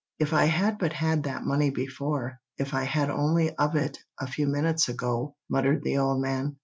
"If I had but had that money before—if I had only known of it a few minutes ago!" muttered the old man.